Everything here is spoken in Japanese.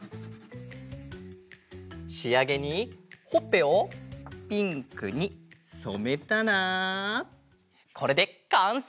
しあげにほっぺをピンクにそめたらこれでかんせい！